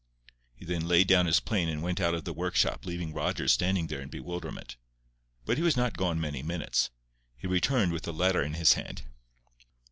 He then laid down his plane, and went out of the workshop, leaving Rogers standing there in bewilderment. But he was not gone many minutes. He returned with a letter in his hand.